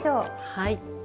はい。